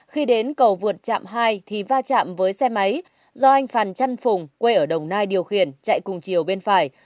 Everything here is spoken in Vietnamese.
khi đến cầu vượt chạm hai thì va chạm với xe máy do anh phan trăn phùng quê ở đồng nai điều khiển chạy cùng chiều bên phải